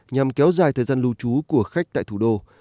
nhằm kéo dài thời gian lưu trú của khách tại thủ đô